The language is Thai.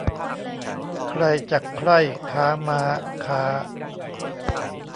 ใครจักใคร่ค้าม้าค้า